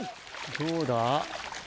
どうだ？